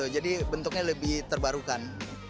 jadi bentuknya lebih terbarukan